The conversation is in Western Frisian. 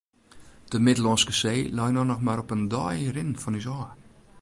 De Middellânske See lei no noch mar op in dei rinnen fan ús ôf.